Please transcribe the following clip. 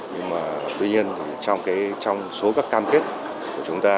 nhưng mà tuy nhiên trong số các cam kết của chúng ta